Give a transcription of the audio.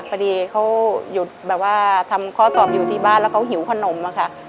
พอดีเขาทำเคาะสอบอยู่ที่บ้านแล้วเขาหิวขนมค่ะ